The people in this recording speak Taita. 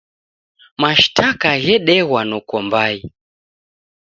Mashtaka ghedeghwa noko mbai.